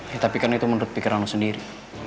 ya tapi kan itu menurut pikiran lo sendiri